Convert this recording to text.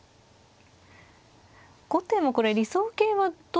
後手もこれ理想形はどうなんですか。